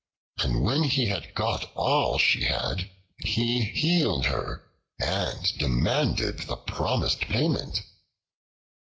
And when he had got all she had, he healed her and demanded the promised payment.